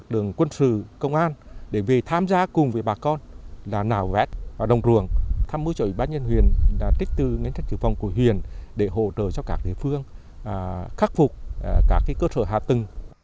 từ ngành trách trực phòng của huyền để hỗ trợ cho các địa phương khắc phục các cơ sở hạ tưng